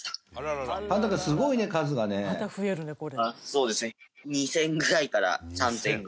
そうですね。